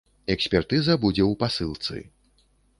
Экспертыза будзе ў пасылцы.